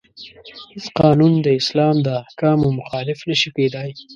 هیڅ قانون د اسلام د احکامو مخالف نشي کیدای.